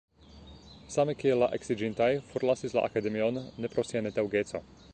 Same kiel la eksiĝintaj forlasis la akademion ne pro sia netaŭgeco.